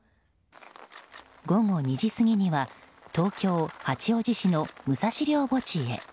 午後２時過ぎには東京・八王子市の武蔵陵墓地へ。